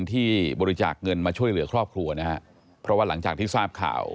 ที่บริจาคเงินมาช่วยเหลือครอบครัวนะฮะเพราะว่าหลังจากที่ทราบข่าว